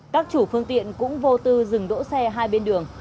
các chủ phương tiện cũng vô tư dừng đỗ xe hai bên đường